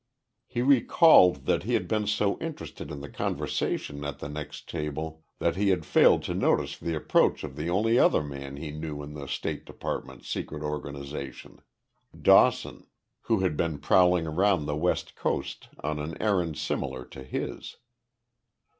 He recalled that he had been so interested in the conversation at the next table that he had failed to notice the approach of the only other man he knew in the State Department's secret organization Dawson, who had been prowling around the West Coast on an errand similar to his.